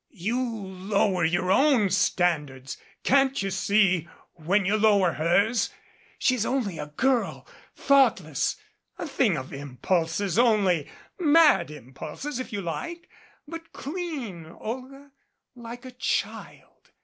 You lower your own standards can't you see j when you lower hers? She's only a girl thoughtless, a thing of impulses only mad impulses if you like but 263 MADCAP . clean, Olga, like a child.